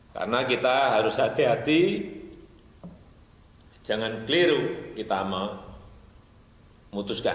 karena kita harus hati hati jangan keliru kita memutuskan